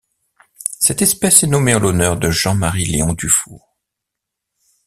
Cette espèce est nommée en l'honneur de Jean-Marie Léon Dufour.